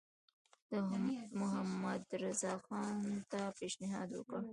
ده محمدرضاخان ته پېشنهاد وکړ.